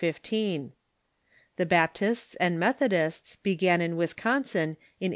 The Baptists and 3Iethodists began in Wisconsin in 1836.